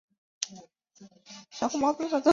此盖古之道也。